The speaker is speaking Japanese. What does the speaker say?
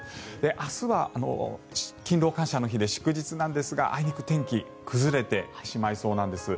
明日は勤労感謝の日で祝日なんですがあいにく天気崩れてしまいそうなんです。